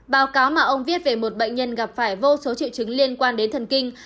báo cáo mà ông viết về một bệnh nhân gặp phải vô số triệu chứng liên quan đến thần kinh